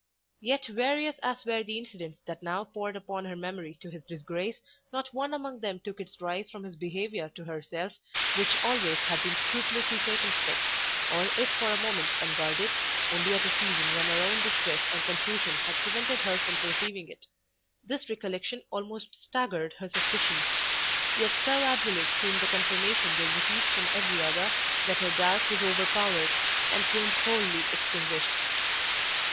Yet various as were the incidents that now poured upon her memory to his disgrace, not one among them took its rise from his behaviour to herself, which always had been scrupulously circumspect, or if for a moment unguarded, only at a season when her own distress or confusion had prevented her from perceiving it. This recollection almost staggered her suspicions; yet so absolute seemed the confirmation they received from every other, that her doubt was overpowered, and soon wholly extinguished.